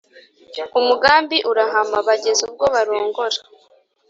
umugambi urahama; bageza ubwo barongora.